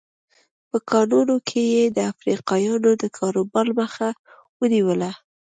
په کانونو کې یې د افریقایانو د کاروبار مخه ونیوله.